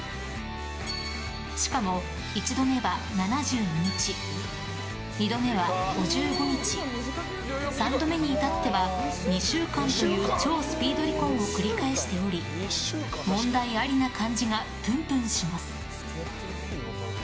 しかも１度目は７２日２度目は５５日３度目に至っては２週間という超スピード離婚を繰り返しており問題ありな感じがプンプンします。